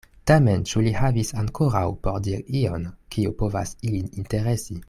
Tamen ĉu li havis ankoraŭ por diri ion, kio povas ilin interesi?